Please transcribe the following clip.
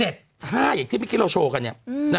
อย่างที่พี่คิดเราโชว์กันนี่